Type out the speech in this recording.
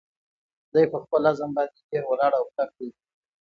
دی په خپل عزم باندې ډېر ولاړ او کلک دی.